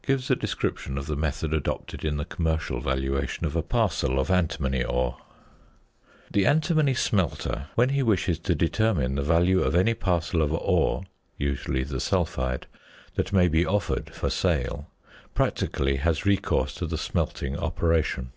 gives a description of the method adopted in the commercial valuation of a parcel of antimony ore: The antimony smelter, when he wishes to determine the value of any parcel of ore usually the sulphide that may be offered for sale, practically has recourse to the smelting operation.